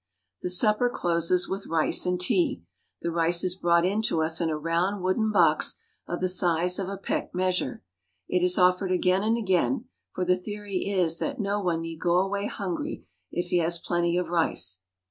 The supper closes with rice and tea. The rice is brought in to us in a round wooden box of the size of a peck measure. It is offered again and again ; for the theory is that no one need go away hungry if he has plenty of rice.